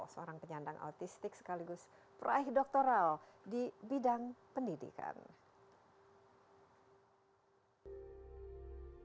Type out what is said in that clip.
seorang penyandang autistik sekaligus peraih doktoral di bidang pendidikan